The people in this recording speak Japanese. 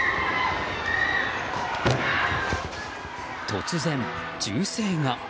突然、銃声が。